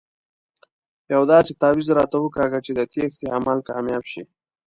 یو داسې تاویز راته وکاږه چې د تېښتې عمل کامیاب شي.